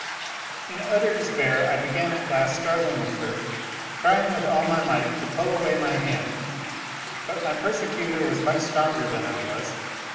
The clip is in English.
In utter despair I began at last struggling with her, trying with all my might to pull away my hand, but my persecutor was much stronger than I was.